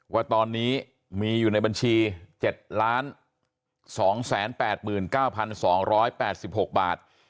ว่าตอนนี้มีอยู่ในบัญชี๗๒๘๙๒๘๖บาท